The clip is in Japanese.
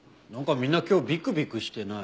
みんな今日ビクビクしてない？